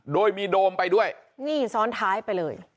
โดยมีโดมไปด้วยนี่ซ้อนท้ายไปเลย